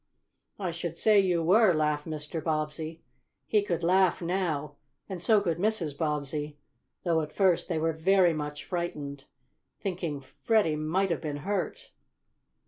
"I should say you were!" laughed Mr. Bobbsey. He could laugh now, and so could Mrs. Bobbsey, though, at first, they were very much frightened, thinking Freddie might have been hurt.